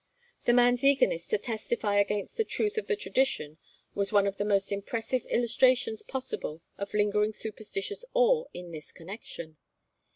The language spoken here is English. The man's eagerness to testify against the truth of the tradition was one of the most impressive illustrations possible of lingering superstitious awe in this connection.